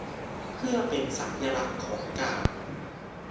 เพื่อเป็นสัญลักษณ์ของการ